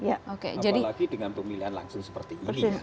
apalagi dengan pemilihan langsung seperti ini ya